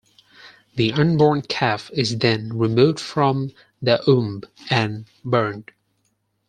The unborn calf is then removed from the womb and burnt.